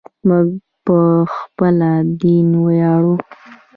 موږ په خپل دین ویاړو.